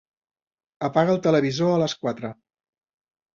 Apaga el televisor a les quatre.